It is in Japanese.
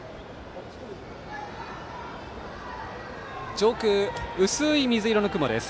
上空、薄い水色の雲です。